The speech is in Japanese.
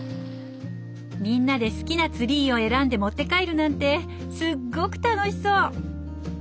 みんなで好きなツリーを選んで持って帰るなんてすっごく楽しそう！